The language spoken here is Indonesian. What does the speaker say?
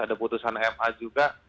ada putusan ema juga